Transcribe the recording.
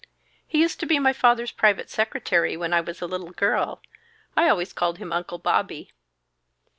"He used to be my father's private secretary when I was a little girl. I always called him 'Uncle Bobby.'"